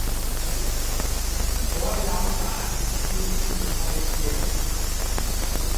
柏楊版資治通鑑